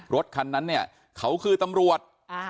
รถคันนั้นเขาคือตำรวจ